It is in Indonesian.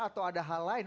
atau ada hal lain